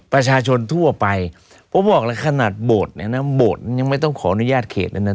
ประชาชนทั่วไปผมบอกเลยขนาดโบสถ์เนี่ยนะโบสถ์ยังไม่ต้องขออนุญาตเขตนั้นนะ